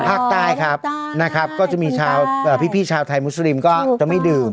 ภาคใต้ครับนะครับก็จะมีชาวพี่ชาวไทยมุสลิมก็จะไม่ดื่ม